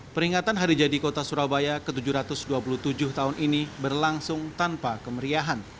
peringatan hari jadi kota surabaya ke tujuh ratus dua puluh tujuh tahun ini berlangsung tanpa kemeriahan